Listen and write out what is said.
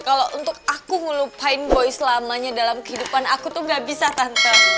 kalau untuk aku ngelupain boy selamanya dalam kehidupan aku tuh gak bisa tante